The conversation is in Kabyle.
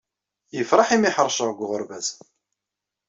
Yefreḥ imi ḥerceɣ deg uɣerbaz.